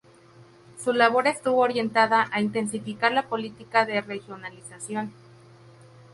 Su labor estuvo orientada a intensificar la política de regionalización.